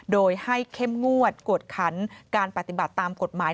โดยให้เข้มงวดกวดขันการปฏิบัติตามกฎหมาย